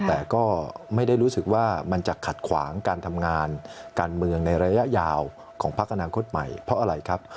แต่ก็ไม่ได้รู้สึกว่ามันจะขัดขวางการทำงานการเมืองในระยะยาวของพักอนาคตใหม่เพราะอะไรครับ